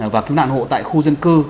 và cứu nạn hộ tại khu dân cư